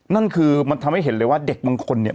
นั่นคือมันทำให้เห็นเลยว่าเด็กบางคนเนี่ย